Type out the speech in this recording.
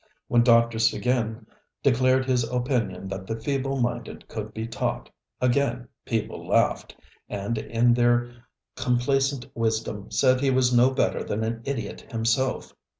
When Dr. Seguin declared his opinion that the feeble minded could be taught, again people laughed, and in their complacent wisdom said he was no better than an idiot himself.